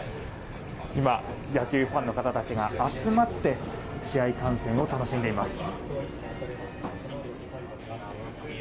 今、野球ファンの方たちが集まって試合観戦を楽しんでいます。